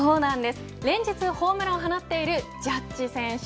連日ホームランを放っているジャッジ選手。